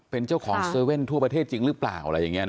เป็นเจ้าของ๗๑๑ทั่วประเทศจริงหรือเปล่า